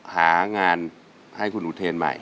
หางานให้คุณอุเทนใหม่